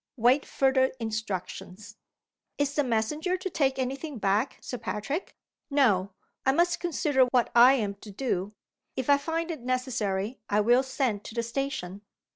Wait further instructions." "Is the messenger to take any thing back, Sir Patrick?" "No. I must consider what I am to do. If I find it necessary I will send to the station.